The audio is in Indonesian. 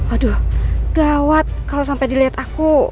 aduh gawat kalo sampe diliat aku